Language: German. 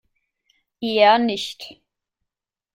Eher nicht.